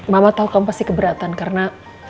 mama tahu kamu pasti keberatan karena